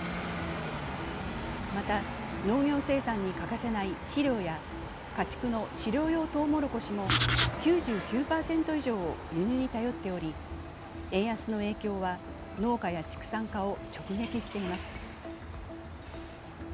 また農業生産に欠かせない肥料や家畜の飼料用とうもろこしも９９％以上を輸入に頼っており、円安の影響は農家や畜産家を直撃しています。